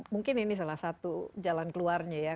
mungkin ini salah satu jalan keluarnya ya